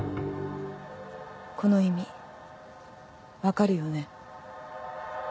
この意味分かるよね？